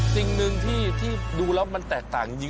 สิ่งหนึ่งที่ดูแล้วมันแตกต่างจริง